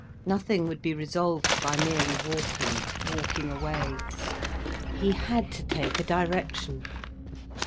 Nothing would be resolved by merely walking, walking away. He had to take a direction.